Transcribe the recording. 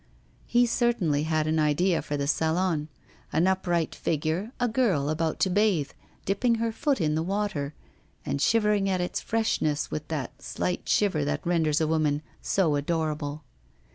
He certainly had an idea for the Salon; an upright figure, a girl about to bathe, dipping her foot in the water, and shivering at its freshness with that slight shiver that renders a woman so adorable.